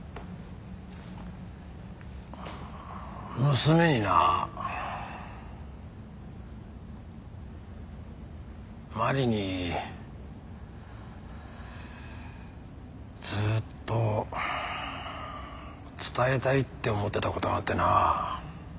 娘にな麻里にずーっと伝えたいって思ってた事があってな。